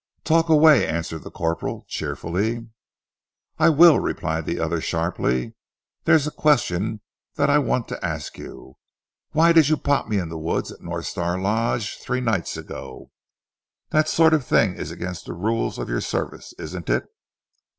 "Talk away," answered the corporal cheerfully. "I will," replied the other sharply. "There's a question that I want to ask you.... Why did you pot me in the wood at North Star Lodge three nights ago? That sort of thing is against the rules of your service, isn't it?"